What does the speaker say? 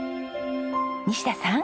西田さん。